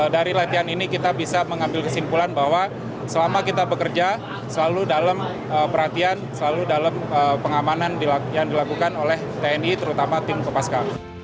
dari latihan ini kita bisa mengambil kesimpulan bahwa selama kita bekerja selalu dalam perhatian selalu dalam pengamanan yang dilakukan oleh tni terutama tim kopaska